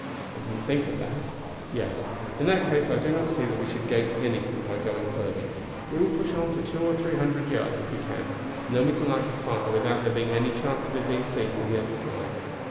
"I did not think of that. Yes, in that case I do not see that we should gain anything by going farther; we will push on for two or three hundred yards, if we can, and then we can light a fire without there being any chance of it being seen from the other side."